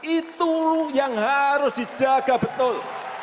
itu yang harus dijaga betul